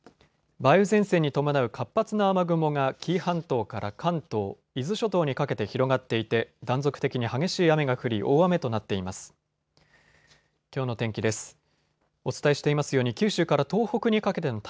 梅雨前線に伴う活発な雨雲が紀伊半島から関東、伊豆諸島にかけて広がっていて断続的に激しい雨が降り大雨となっています。